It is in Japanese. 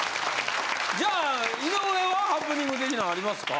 じゃあ井上はハプニング的なんありますか？